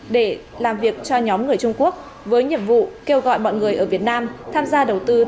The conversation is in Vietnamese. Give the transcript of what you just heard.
để làm việc cho nhóm người trung quốc với nhiệm vụ kêu gọi mọi người ở việt nam tham gia đầu tư